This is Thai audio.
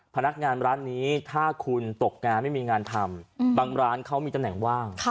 พนักงานร้านนี้ถ้าคุณตกงานไม่มีงานทำบางร้านเขามีตำแหน่งว่าง